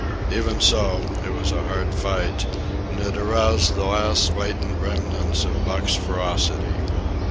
Even so, it was a hard fight, and it aroused the last latent remnants of Buck's ferocity.